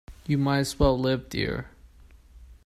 You might as well live dear.